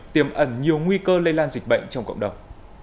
tiềm ẩn nhiều nguy cơ lây lan dịch bệnh trong cộng đồng